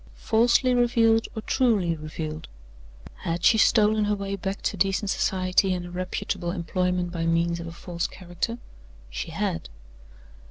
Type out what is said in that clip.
Falsely revealed, or truly revealed? Had she stolen her way back to decent society and a reputable employment by means of a false character? She had.